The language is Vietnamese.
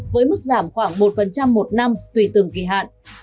với mức giảm khoảng một của tài sản